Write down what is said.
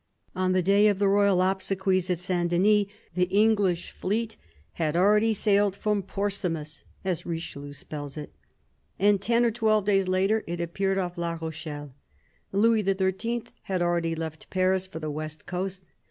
On the day of the royal obsequies at Saint Denis, the English fleet had already sailed from " Porsemus," as Richelieu spells it, and ten or twelve days later it appeared off La Rochelle. Louis XHL had already left Paris for the west coast.